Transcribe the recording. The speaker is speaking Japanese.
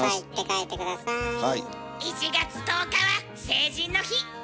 １月１０日は成人の日！